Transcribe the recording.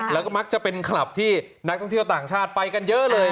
แล้วก็มักจะเป็นคลับที่นักท่องเที่ยวต่างชาติไปกันเยอะเลย